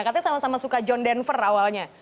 katanya sama sama suka john denver awalnya